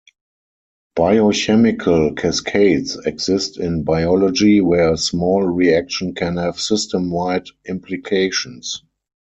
Biochemical cascades exist in biology, where a small reaction can have system-wide implications.